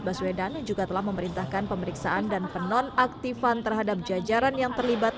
baswedan juga telah memerintahkan pemeriksaan dan penonaktifan terhadap jajaran yang terlibat